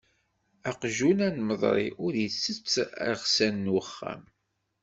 Aqjun anmeḍri ur itett iɣsan n uxxam.